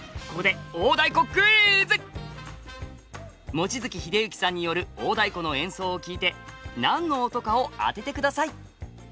望月秀幸さんによる大太鼓の演奏を聴いて何の音かを当ててください。